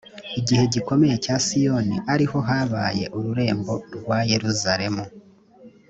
igihe gikomeye cya siyoni ari ho habaye ururembo rwa yeruzalemu